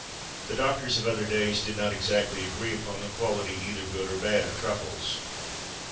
[XXIII 100] The doctors of other days did not exactly agree upon the quality either good or bad of truffles.